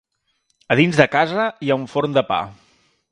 A dins de casa hi ha un forn de pa.